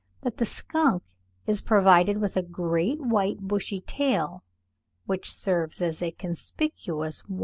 that the skunk is provided with a great white bushy tail, which serves as a conspicuous warning.